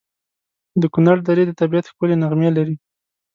د کنړ درې د طبیعت ښکلي نغمې لري.